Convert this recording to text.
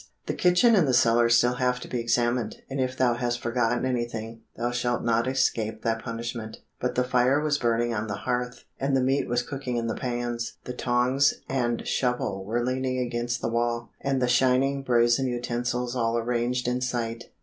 "The kitchen and the cellar still have to be examined, and if thou hast forgotten anything thou shalt not escape thy punishment." But the fire was burning on the hearth, and the meat was cooking in the pans, the tongs and shovel were leaning against the wall, and the shining brazen utensils all arranged in sight.